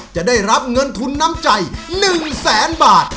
จะได้รับเงินทุนน้ำใจ๑แสนบาท